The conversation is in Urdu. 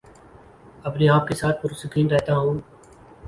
اپنے آپ کے ساتھ پرسکون رہتا ہوں